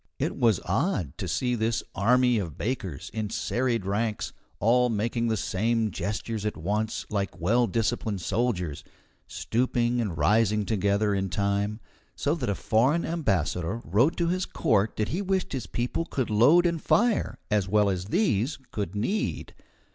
It was odd to see this army of bakers in serried ranks, all making the same gestures at once, like well disciplined soldiers, stooping and rising together in time, so that a foreign ambassador wrote to his court that he wished his people could load and fire as well as these could knead.